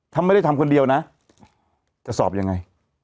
ถ้าไม่ได้ทำคนเดียวนะจะสอบยังไง